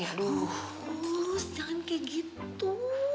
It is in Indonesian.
aduh jangan kayak gitu